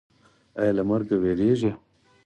ایا له مرګ ویریږئ؟